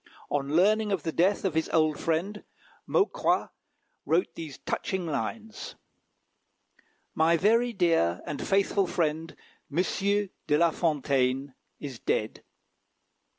On learning of the death of his old friend, Maucroix wrote these touching lines: "My very dear and faithful friend, M. de La Fontaine, is dead.